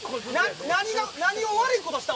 何を悪いことした？